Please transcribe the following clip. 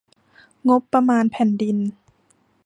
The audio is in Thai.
งบประมาณแผ่นดิน